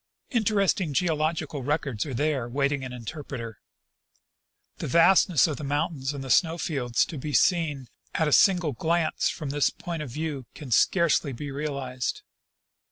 Interesting geological records are there Avaiting an interpreter. The vastness of the mountains and the snow fields to be seen at a single glance from this point of view can scarcely be realized.